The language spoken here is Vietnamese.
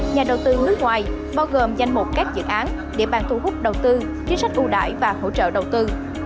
nhà đầu tư nước ngoài bao gồm danh mục các dự án địa bàn thu hút đầu tư chính sách ưu đại và hỗ trợ đầu tư